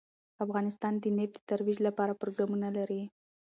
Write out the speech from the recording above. افغانستان د نفت د ترویج لپاره پروګرامونه لري.